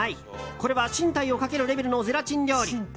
これは進退をかけるレベルのゼラチン料理。